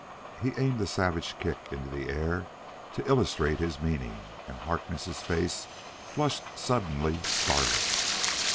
He aimed a savage kick into the air to illustrate his meaning, and Harkness' face flushed suddenly scarlet.